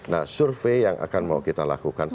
nah survei yang akan mau kita lakukan